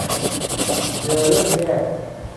เจอเรื่องแย่